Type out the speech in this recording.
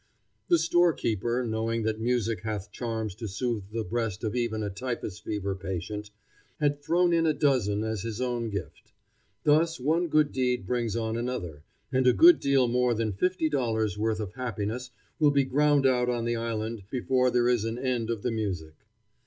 The storekeeper, knowing that music hath charms to soothe the breast of even a typhus fever patient, had thrown in a dozen as his own gift. Thus one good deed brings on another, and a good deal more than fifty dollars' worth of happiness will be ground out on the island before there is an end of the music.